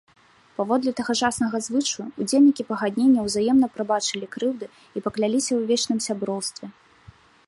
Паводле тагачаснага звычаю, удзельнікі пагаднення ўзаемна прабачылі крыўды і пакляліся ў вечным сяброўстве.